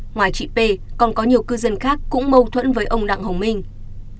ngoài chị p còn có nhiều cư dân khác cũng mâu thuẫn với ông đặng hồng minh